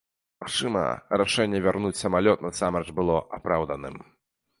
Магчыма, рашэнне вярнуць самалёт насамрэч было апраўданым.